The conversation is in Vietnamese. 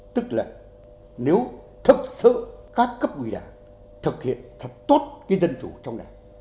tức là nếu thực sự các cấp ủy đảng thực hiện thật tốt cái dân chủ trong đảng